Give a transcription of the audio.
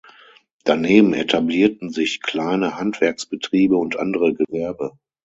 Daneben etablierten sich kleine Handwerksbetriebe und andere Gewerbe.